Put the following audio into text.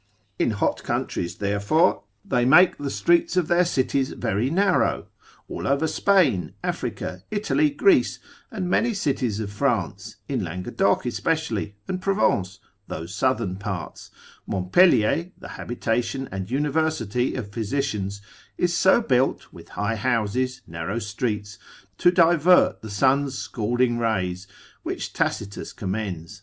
In hot countries, therefore, they make the streets of their cities very narrow, all over Spain, Africa, Italy, Greece, and many cities of France, in Languedoc especially, and Provence, those southern parts: Montpelier, the habitation and university of physicians, is so built, with high houses, narrow streets, to divert the sun's scalding rays, which Tacitus commends, lib.